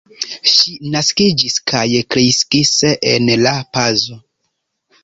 Ŝi naskiĝis kaj kreskis en La Paz.